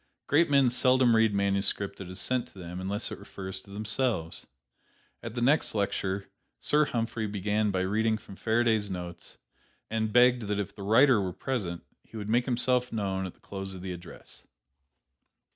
Great men seldom read manuscript that is sent to them unless it refers to themselves. At the next lecture, Sir Humphry began by reading from Faraday's notes, and begged that if the writer were present, he would make himself known at the close of the address.